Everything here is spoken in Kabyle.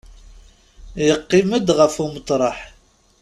Yeqqim-d ɣef umeṭreḥ.